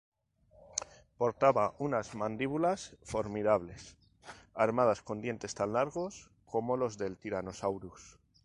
Portaba unas mandíbulas formidables, armadas con dientes tan largos como los del "Tyrannosaurus".